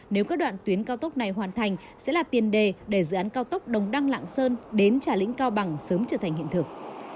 nếu các đoạn tuyến cao tốc này hoàn thành sẽ là tiền đề để dự án cao tốc đồng đăng lạng sơn đến trà lĩnh cao bằng sớm trở thành hiện thực